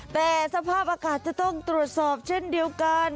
แต่สภาพอากาศจะต้องตรวจสอบเช่นเดียวกัน